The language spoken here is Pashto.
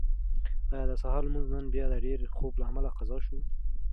ایا د سهار لمونځ نن بیا د ډېر خوب له امله قضا شو؟